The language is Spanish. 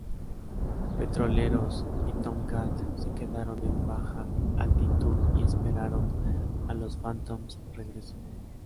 Petroleros y Tomcat se quedaron en baja altitud y esperaron a los Phantoms regreso.